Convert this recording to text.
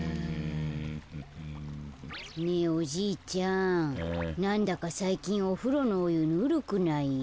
ねえおじいちゃんなんだかさいきんおふろのおゆぬるくない？